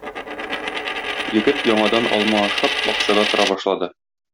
Егет, яңадан алма ашап, бакчада тора башлады.